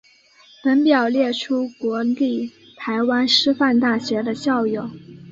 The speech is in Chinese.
本表列出国立台湾师范大学的校友。